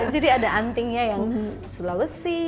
ada antingnya yang sulawesi